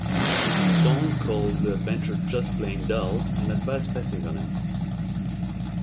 Swan called the adventure "just plain dull" and advised passing on it.